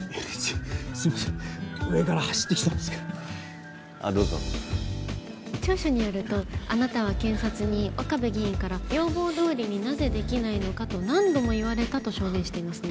すいません上から走ってきたもんすからあっどうぞ調書によるとあなたは検察に岡部議員から要望どおりになぜできないのかと何度も言われたと証言していますね